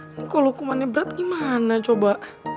ini kalo hukumannya berat gimana coba